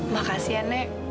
makasih ya nek